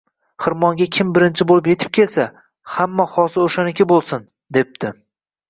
Xirmonga kim birinchi bo’lib yetib kelsa, hamma hosil o’shaniki bo’lsin, — debdi